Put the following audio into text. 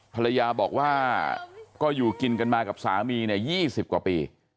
ภรรยาบอกว่าก็อยู่กินกันมากับสามีเนี่ย๒๐กว่าปี